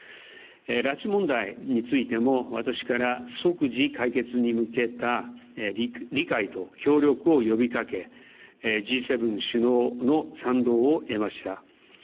拉致問題についても、私から、即時解決に向けた理解と協力を呼びかけ、Ｇ７首脳の賛同を得ました。